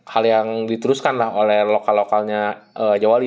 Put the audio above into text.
hal yang diteruskan lah oleh lokal lokalnya jawali